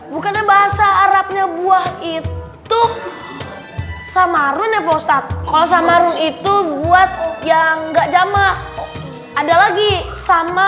bukan bahasa arabnya buah itu sama rune post op kosong itu buat yang enggak jama' ada lagi sama